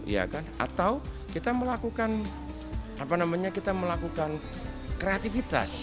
ya kan atau kita melakukan kreativitas